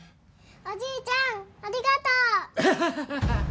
おじいちゃんありがとう！ハハハ。